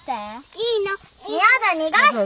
いいの！やだ逃がして！